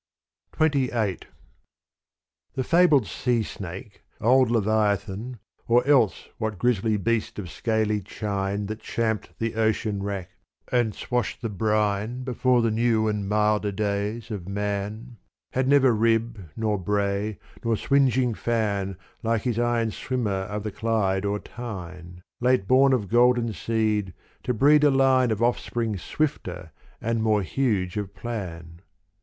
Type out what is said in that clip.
XXVIII The fabled sea snake, old Leviathan, Or else what grisly beast of scaly chine That champed the oceanwrack, and swashed the brine Before the new and milder days of man, Had never rib nor bray nor swindging fan Like his iron swimmer of the Clyde or Tyne, Late born of golden seed to breed a line Of offspring swifter and more huge of plan.